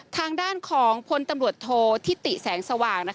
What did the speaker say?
ทางด้านของพลตำรวจโทษทิติแสงสว่าง